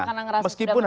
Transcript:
karena ngerasa sudah penuh